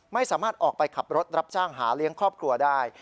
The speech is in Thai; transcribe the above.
ไม่สามารถออกไปขับรถรับจ้างหาเลี้ยงครอบครัวได้